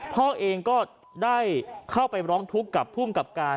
พ่อเองก็ได้เข้าไปร้องทุกข์กับภูมิกับการ